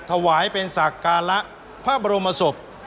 ถวายเป็นสักการะพระบรมศพ